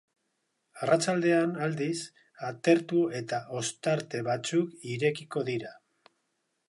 Arratsaldean, aldiz, atertu eta ostarte batzuk irekiko dira.